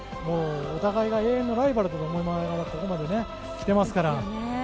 お互いが永遠のライバルということでここまで来てますから。